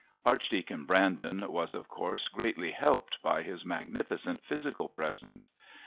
Archdeacon Brandon was, of course, greatly helped by his magnificent physical presence.